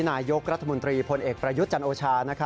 นายกรัฐมนตรีพลเอกประยุทธ์จันโอชา